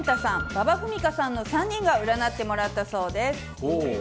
馬場ふみかさんの３人が占ってもらったそうです。